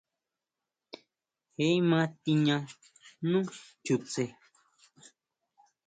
Je ma tiña nú chutse.